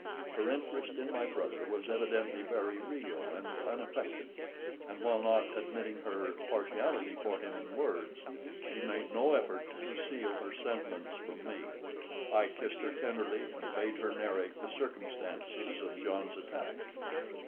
Her interest in my brother was evidently very real and unaffected, and while not admitting her partiality for him in words, she made no effort to conceal her sentiments from me. I kissed her tenderly, and bade her narrate the circumstances of John's attack.